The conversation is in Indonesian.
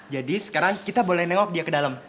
jadi sekarang kita boleh nengok dia ke dalam